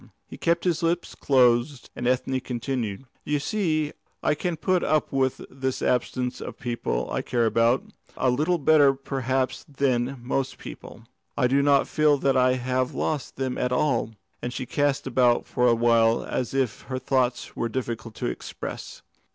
He kept his lips closed, and Ethne continued: "You see I can put up with the absence of the people I care about, a little better perhaps than most people. I do not feel that I have lost them at all," and she cast about for a while as if her thought was difficult to express.